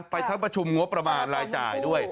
ไปทั้งประชุมงบประมาณรายจ่ายด้วย